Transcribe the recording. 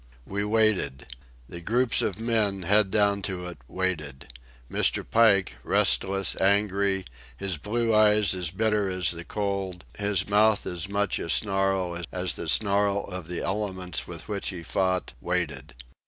We waited. The groups of men, head down to it, waited. Mr. Pike, restless, angry, his blue eyes as bitter as the cold, his mouth as much a snarl as the snarl of the elements with which he fought, waited.